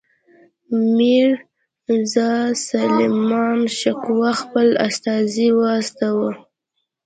میرزاسلیمان شکوه خپل استازی واستاوه.